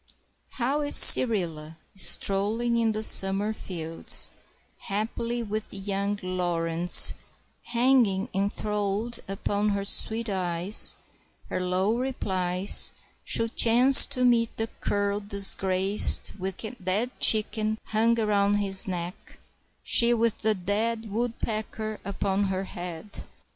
How if Cyrilla, strolling in the summer fields, haply with young Laurence hanging enthralled upon her sweet eyes, her low replies, should chance to meet the cur disgraced with the dead chicken hung around his neck, she with the dead woodpecker upon her head!